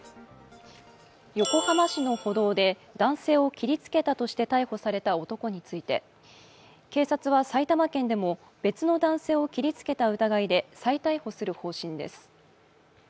横浜市の歩道で男性を切りつけたとして逮捕された男について警察は、埼玉県でも別の男性を切りつけた疑いで再逮捕する方針です。